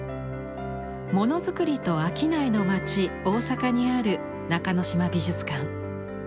ものづくりと商いの町大阪にある中之島美術館。